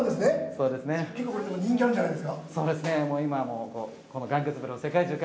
人気あるんじゃないですか？